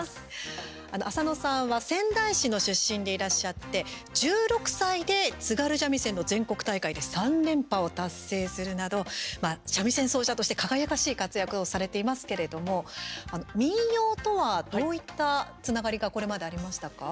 浅野さんは仙台市の出身でいらっしゃって１６歳で津軽三味線の全国大会で３連覇を達成するなど三味線奏者として、輝かしい活躍をされていますけれども民謡とは、どういったつながりがこれまでありましたか？